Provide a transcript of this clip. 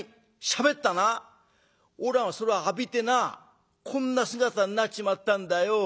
俺はそれを浴びてなこんな姿になっちまったんだよ。